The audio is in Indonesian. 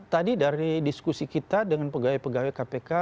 tadi dari diskusi kita dengan pegawai pegawai kpk